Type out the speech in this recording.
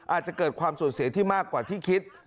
อาจจะเกิดความสูญเสียที่มากกว่าที่คิด